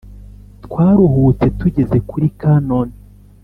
twaruhutse tugeze kuri canon